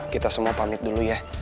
kita semua pamit dulu ya